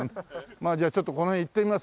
まあじゃあちょっとこの辺行ってみます。